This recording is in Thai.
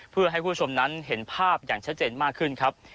เพื่อให้คุณผู้ชมนั้นเห็นภาพอย่างชัดเจนมากขึ้นครับ